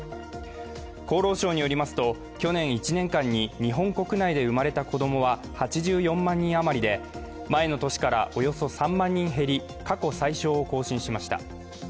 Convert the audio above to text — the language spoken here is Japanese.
厚労省によりますと、去年１年間に日本国内で生まれた子供は８４万人余りで、前の年からおよそ３万人減り、過去最少を更新しました。